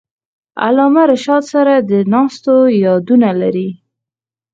علامه رشاد سره د ناستو یادونه لري.